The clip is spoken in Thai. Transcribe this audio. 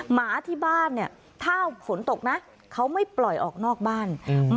หมาที่บ้านเนี่ยถ้าฝนตกนะเขาไม่ปล่อยออกนอกบ้านอืม